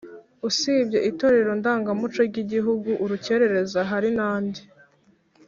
usibye itorero ndangamuco ry’igihugu «urukerereza» hari n’andi